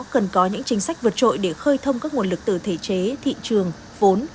cần có những chính sách vượt trội để khơi thông các nguồn lực từ thể chế thị trường vốn